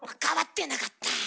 変わってなかった。